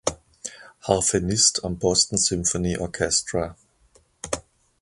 Harfenist am Boston Symphony Orchestra.